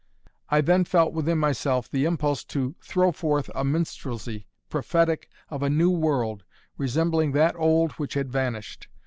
"I then felt within myself the impulse to throw forth a minstrelsy prophetic of a new world resembling that old which had vanished.